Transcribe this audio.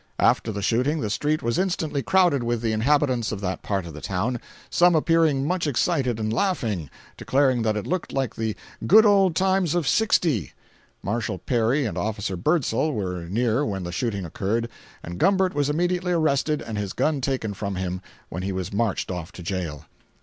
After the shooting the street was instantly crowded with the inhabitants of that part of the town, some appearing much excited and laughing—declaring that it looked like the "good old times of '60." Marshal Perry and officer Birdsall were near when the shooting occurred, and Gumbert was immediately arrested and his gun taken from him, when he was marched off to jail.